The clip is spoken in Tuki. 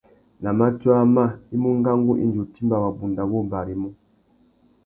Nà matiō amá, i mú ngangu indi u timba wabunda wô barimú.